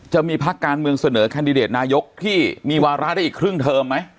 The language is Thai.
จะมีพักการเมืองเสนอแคนดิเดตนายกที่มีวาระได้อีกครึ่งเทอมไหม